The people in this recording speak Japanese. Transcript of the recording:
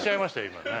今ね。